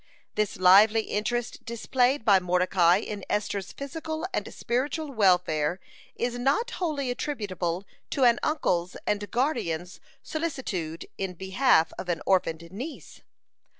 (78) This lively interest displayed by Mordecai in Esther's physical and spiritual welfare is not wholly attributable to an uncle's and guardian's solicitude in behalf of an orphaned niece.